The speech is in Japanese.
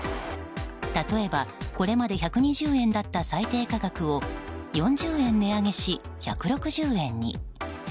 例えば、これまで１２０円だった最低価格を４０円値上げし、１６０円に。